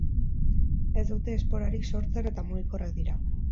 Ez dute esporarik sortzen eta mugikorrak dira.